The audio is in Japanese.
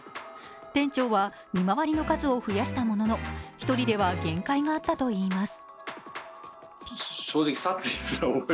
店長は見回りの数を増やしたものの一人では限界があったといいます。